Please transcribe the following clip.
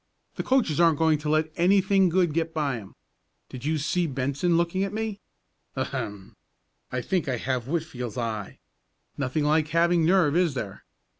"The coaches aren't going to let anything good get by 'em. Did you see Benson looking at me! Ahem! And I think I have Whitfield's eye! Nothing like having nerve, is there?